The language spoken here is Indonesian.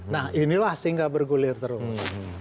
nah inilah sehingga bergulir terus